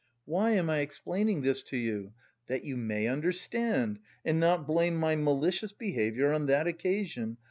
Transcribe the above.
Why am I explaining this to you? That you may understand, and not blame my malicious behaviour on that occasion.